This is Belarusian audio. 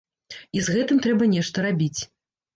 І з гэтым трэба нешта рабіць.